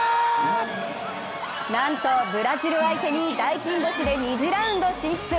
なんとブラジル相手に大金星で２次ラウンド進出！